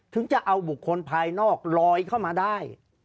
ถึงจะเอาบุคคลภายนอกลอยเข้ามาได้